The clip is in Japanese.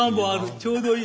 ちょうどいい。